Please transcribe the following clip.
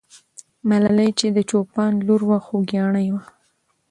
ملالۍ چې د چوپان لور وه، خوګیاڼۍ وه.